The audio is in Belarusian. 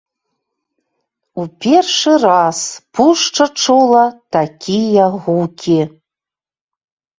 У першы раз пушча чула такія гукі.